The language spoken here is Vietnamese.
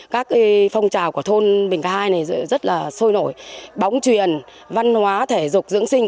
các phong trào của thôn bình khai này rất là sôi nổi bóng truyền văn hóa thể dục dưỡng sinh